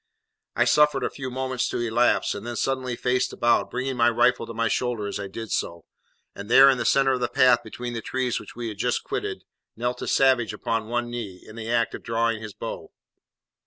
I suffered a few moments to elapse, and then suddenly faced about, bringing my rifle to my shoulder as I did so; and there, in the centre of the path between the trees which we had just quitted, knelt a savage upon one knee, in the act of drawing his bow.